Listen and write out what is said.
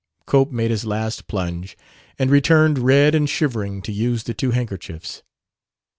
Cope made his last plunge and returned red and shivering to use the two handkerchiefs.